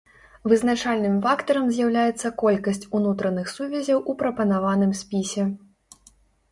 Вызначальным фактарам з'яўляецца колькасць унутраных сувязяў у прапанаваным спісе.